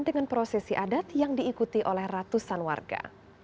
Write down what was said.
dengan prosesi adat yang diikuti oleh ratusan warga